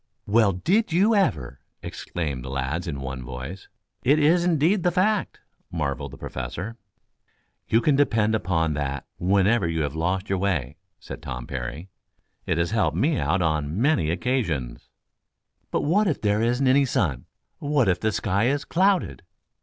"Well, did you ever!" exclaimed the lads in one voice. "It is, indeed, the fact," marveled the Professor. "You can depend upon that whenever you have lost your way," said Tom Parry. "It has helped me out on many occasions." "But what if there isn't any sun what if the sky is clouded?"